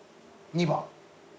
２番？